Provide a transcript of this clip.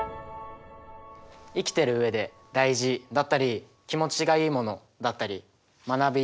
生きている上で大事だったり気持ちがいいものだったり学び